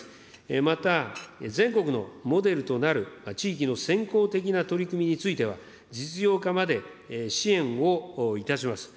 また、全国のモデルとなる地域の先行的な取り組みについては、実用化まで支援をいたします。